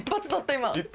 今。